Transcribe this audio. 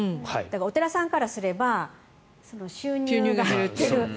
お寺さんからすれば収入が減る。